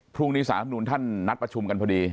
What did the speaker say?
พรุ่งนี้สารธรรมนุนท่านนัดประชุมกันพอดี